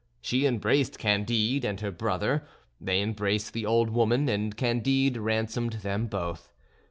She embraced Candide and her brother; they embraced the old woman, and Candide ransomed them both.